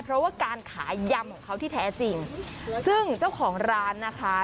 เพราะว่าการขายยำของเขาที่แท้จริงซึ่งเจ้าของร้านนะคะ